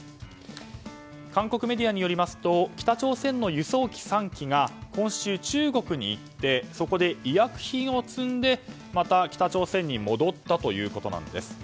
韓国メディアによりますと北朝鮮の輸送機３機が今週、中国に行ってそこで医薬品を積んでまた北朝鮮に戻ったということなんです。